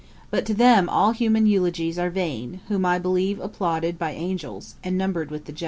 But to them all human eulogies are vain, whom I believe applauded by angels, and numbered with the just.'